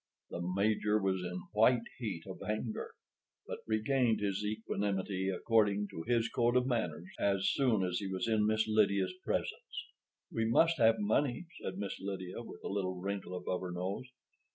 The Major was in a white heat of anger, but regained his equanimity, according to his code of manners, as soon as he was in Miss Lydia's presence. "We must have money," said Miss Lydia, with a little wrinkle above her nose.